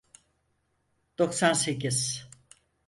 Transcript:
Doksan sekiz.